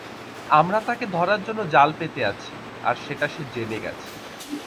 আমরা তাকে ধরার জন্য জাল পেতে আছি আর সেটা সে জেনে গেছে।